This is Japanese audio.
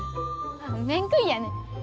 面食いやねん。